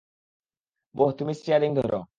বোহ, তুমি স্টিয়ারিং ধর।